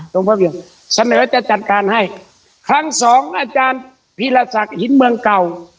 พระเวียงเสนอจะจัดการให้ครั้งสองอาจารย์พีรศักดิ์หินเมืองเก่า